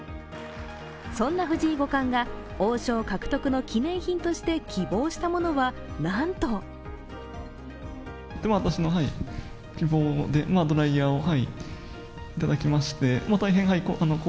そんな藤井五冠が王将獲得の記念品として希望したものは、なんとなんと、ドライヤー。